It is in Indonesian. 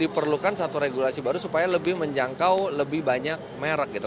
diperlukan satu regulasi baru supaya lebih menjangkau lebih banyak merek gitu